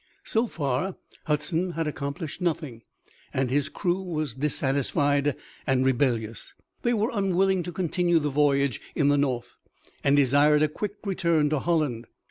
So far Hudson had accomplished nothing, and his crew was dissatisfied and rebellious. They were unwilling to continue the voyage in the north and desired a quick return to Holland.